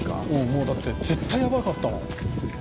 もうだって絶対やばかったもん」